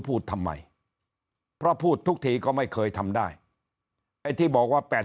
พูดทำไมเพราะพูดทุกทีก็ไม่เคยทำได้ไอ้ที่บอกว่า๘๐